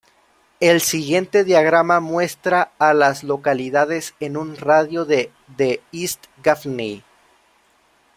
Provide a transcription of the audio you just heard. El siguiente diagrama muestra a las localidades en un radio de de East Gaffney.